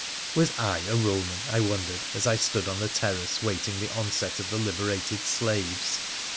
Was 7 a Roman, I wondered, as I stood on the terrace waiting the onset of the liberated slaves